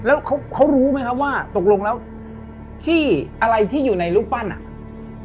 แล้วเขารู้ไหมครับว่าตกลงแล้วที่อะไรที่อยู่ในรูปปั้นอ่ะ